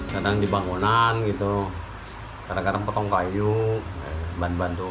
kadang di bangunan gitu kadang kadang potong kayu bantu